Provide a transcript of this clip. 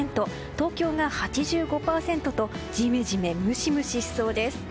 東京が８５％とジメジメムシムシしそうです。